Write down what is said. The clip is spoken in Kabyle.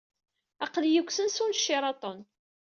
Aql-iyi deg usensu n Sheraton.